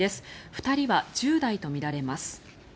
２人は１０代とみられます。